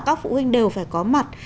các phụ huynh đều phải có mặt